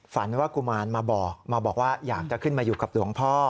ฝันว่ากุมารมาบอกมาบอกว่าอยากจะขึ้นมาอยู่กับหลวงพ่อ